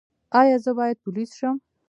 ایا زه باید پولیس شم؟